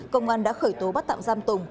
công an đã khởi tố bắt tạm giam tùng